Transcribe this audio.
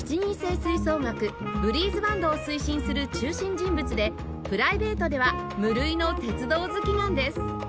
吹奏楽ブリーズバンドを推進する中心人物でプライベートでは無類の鉄道好きなんです